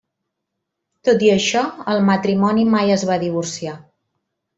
Tot i això, el matrimoni mai es va divorciar.